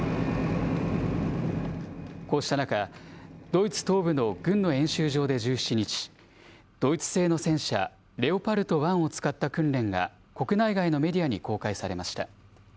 こうした中、ドイツ東部の軍の演習場で１７日、ドイツ製の戦車、レオパルト１を使った訓練が、国内外のメディアに公開されました。